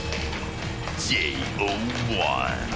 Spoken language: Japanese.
［ＪＯ１］